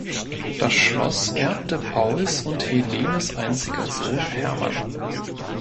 Das Schloss erbte Pauls und Helenes einziger Sohn Hermann.